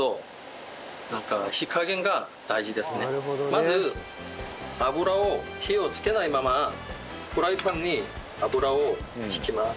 まず油を火をつけないままフライパンに油を引きます。